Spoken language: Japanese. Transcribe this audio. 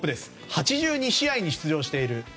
８２試合に出場している。